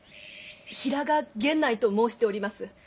平賀源内と申しております。